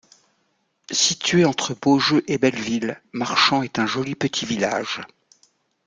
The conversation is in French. Situé entre Beaujeu et Belleville, Marchampt est un joli petit village.